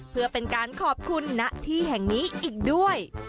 เพื่อเป็นการขอบคุณณที่แห่งนี้อีกด้วย